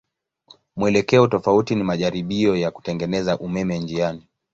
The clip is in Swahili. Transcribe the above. Mwelekeo tofauti ni majaribio ya kutengeneza umeme njiani.